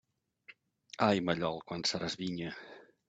Ai, mallol, quan seràs vinya!